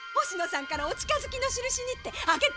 星野さんからお近づきのしるしにって。